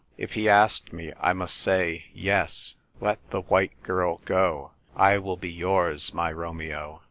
If he asked me, I must say, "Yes; let the white girl go ; I will be yours, my Romeo."